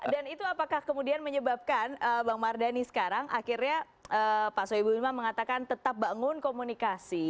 dan itu apakah kemudian menyebabkan bang mardhani sekarang akhirnya pak soebunma mengatakan tetap bangun komunikasi